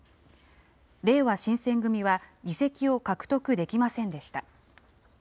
れいわ新選組は議席を獲得できませんでした。